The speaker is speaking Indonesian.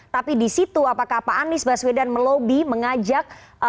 tapi di situ apakah pak anies baswedan melobi mengajak